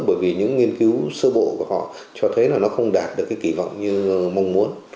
bởi vì những nghiên cứu sơ bộ của họ cho thấy là nó không đạt được cái kỳ vọng như mong muốn